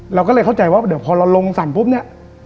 เราก็เลยเข้าใจว่าเดี๋ยวพอเราลงสั่งปุ๊บเนี่ย